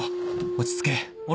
落ち着け俺